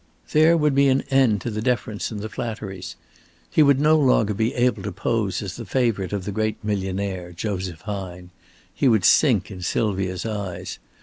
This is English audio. There would be an end to the deference and the flatteries. He would no longer be able to pose as the favorite of the great millionaire, Joseph Hine. He would sink in Sylvia's eyes.